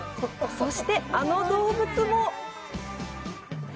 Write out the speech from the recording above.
そして、あの動物も！